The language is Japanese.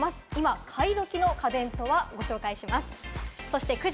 今、買い時な家電とは？ご紹介します。